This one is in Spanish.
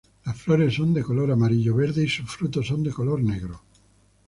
Las flores son de color amarillo-verde y sus frutos son de color negro.